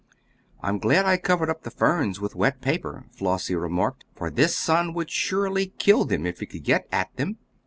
"I'm glad I covered up the ferns with wet paper," Flossie remarked, "for this sun would surely kill them if it could get at them."